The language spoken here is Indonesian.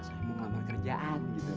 saya mau ngambil kerjaan